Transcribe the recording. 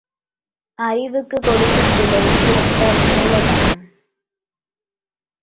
அறிவுக்குக் கொடுக்கும் விலை சிறந்த மூலதனம்.